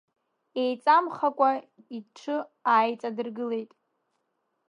Еиҵамхакәа иҽы ааиҵадыргылеит.